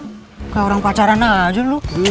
bukan orang pacaran aja lo